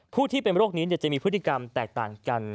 ที่เป็นโรคนี้จะมีพฤติกรรมแตกต่างกัน